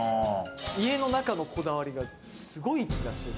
家の中のこだわりがすごい気がして。